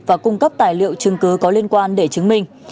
và cung cấp tài liệu chứng cứ có liên quan để chứng minh